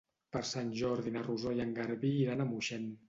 Per Sant Jordi na Rosó i en Garbí iran a Moixent.